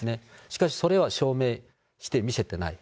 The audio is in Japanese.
しかし、それは証明して見せてない。